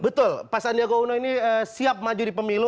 betul pak sandiaga uno ini siap maju di pemilu